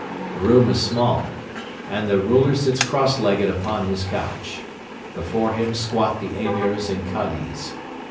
The room is small, and the ruler sits cross legged upon his couch. Before him squat the Emirs and Kadis.